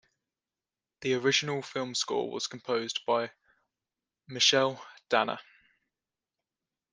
The original film score was composed by Mychael Danna.